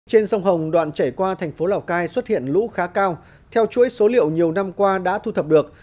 trên sông hồng đoạn chảy qua thành phố lào cai xuất hiện lũ khá cao theo chuỗi số liệu nhiều năm qua đã thu thập được